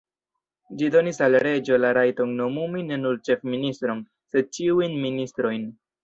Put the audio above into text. Ĝi donis al reĝo la rajton nomumi ne nur ĉefministron, sed ĉiujn ministrojn.